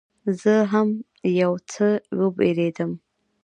زه هم یو څه وبېرېدم.